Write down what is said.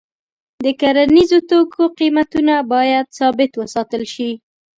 د کرنیزو توکو قیمتونه باید ثابت وساتل شي.